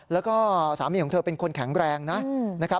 แล้วก็สามีของเธอเป็นคนแข็งแรงนะครับ